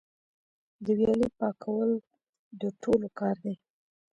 د ویالې پاکول د ټولو کار دی؟